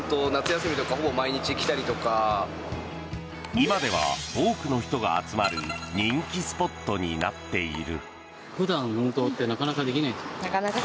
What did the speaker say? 今では多くの人が集まる人気スポットになっている。